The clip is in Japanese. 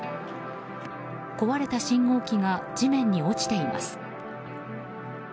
壊れた信号機が地面に落ちています。